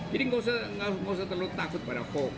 nggak usah terlalu takut pada hoax